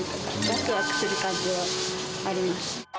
わくわくする感じはあります。